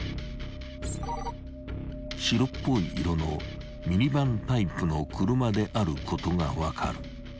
［白っぽい色のミニバンタイプの車であることが分かる］